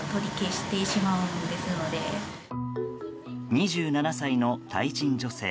２７歳のタイ人女性。